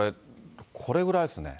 これぐらいですね。